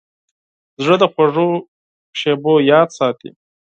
زړه د خوږو شیبو یاد ساتي.